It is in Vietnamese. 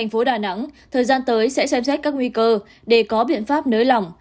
tp đà nẵng thời gian tới sẽ xem xét các nguy cơ để có biện pháp nới lỏng